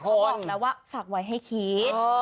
บอกนะว่าฝากไว้ให้คิด